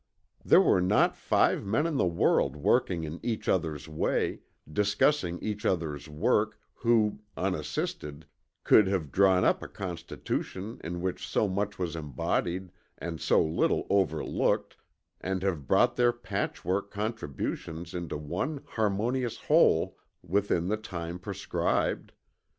There were not five men in the world working in each other's way, discussing each other's work, who, unassisted, could have drawn up a constitution in which so much was embodied and so little overlooked and have brought their patchwork contributions into one harmonious whole within the time prescribed.